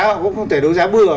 họ cũng không thể đấu giá bừa